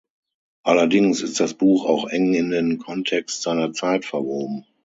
Allerdings ist das Buch auch eng in den Kontext seiner Zeit verwoben.